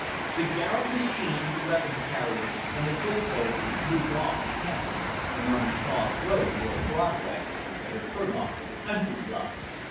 The Garet machine, the weapons carrier and the foot soldiers moved off the campus and onto Shaws Road toward Broadway and the turn off for the country club.